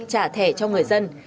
trả thẻ cho người dân